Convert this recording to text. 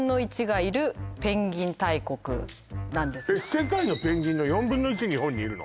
世界のペンギンの４分の１日本にいるの？